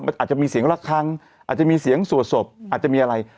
มันอาจจะมีเสียงรักฆังอาจจะมีเสียงสั่วสบอาจจะมีอะไร